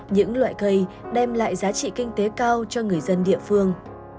những loại cây đem lại giá trị kinh tế cao cho người dân địa phương